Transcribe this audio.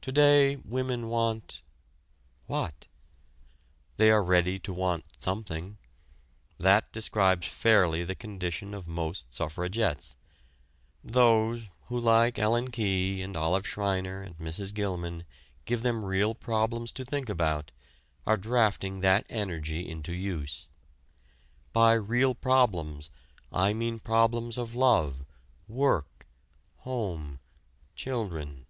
To day women want what? They are ready to want something: that describes fairly the condition of most suffragettes. Those who like Ellen Key and Olive Shreiner and Mrs. Gilman give them real problems to think about are drafting that energy into use. By real problems I mean problems of love, work, home, children.